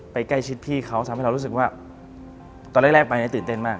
ใกล้ชิดพี่เขาทำให้เรารู้สึกว่าตอนแรกไปตื่นเต้นมาก